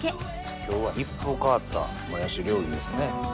今日は一風変わったもやし料理ですね。